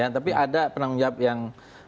tapi ada penanggung jawab yang